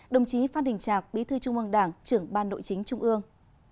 đồng chí phan đình trạc bế thư trung ương đảng trưởng ban nội chính trung ương